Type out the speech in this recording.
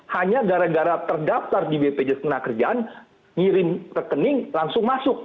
hanya gara gara terdaftar di bpjs tenaga kerjaan ngirim rekening langsung masuk